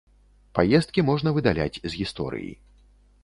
Паездкі можна выдаляць з гісторыі.